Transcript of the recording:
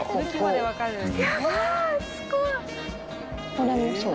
これもそう。